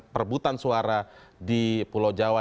perbutan suara di pulau jawa